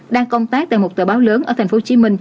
đang công tác tại một tờ báo lớn ở tp hcm